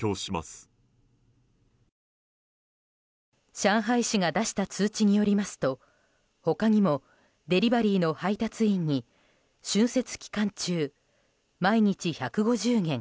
上海市が出した通知によりますと他にもデリバリーの配達員に春節期間中毎日１５０元